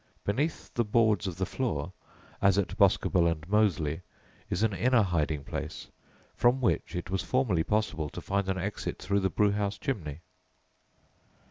Beneath the boards of the floor as at Boscobel and Moseley is an inner hiding place, from which it was formerly possible to find an exit through the brew house chimney.